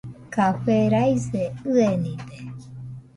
Café raise ɨenide.